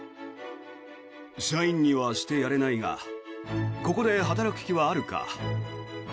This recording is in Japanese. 社員にはしてやれないがここで働く気はあるか？